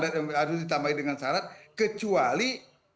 harus ditambahi dengan syarat kecuali